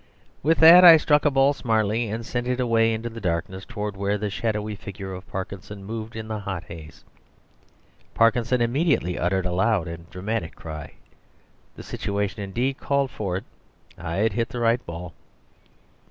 With that I struck a ball smartly, and sent it away into the darkness towards where the shadowy figure of Parkinson moved in the hot haze. Parkinson immediately uttered a loud and dramatic cry. The situation, indeed, called for it. I had hit the right ball.